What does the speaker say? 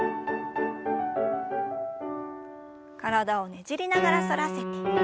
体をねじりながら反らせて。